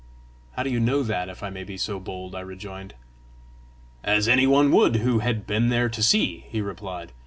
"How do you know that, if I may be so bold?" I rejoined. "As any one would who had been there to see," he replied.